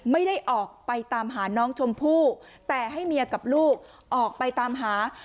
ไม่ได้ออกไปตามหาน้องชมพู่แต่ให้เมียกับลูกออกไปตามหา